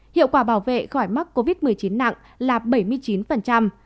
hiệu quả bảo vệ khỏi mắc covid một mươi chín nặng là bảy mươi chín